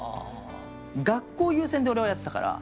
学校優先で俺はやってたから。